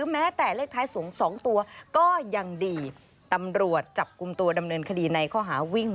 เพราะอยากถูกรางวัลใหญ่